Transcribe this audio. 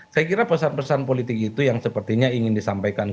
saya kira pesan pesan politik itu yang sepertinya ingin disampaikan